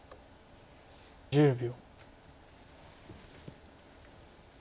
１０秒。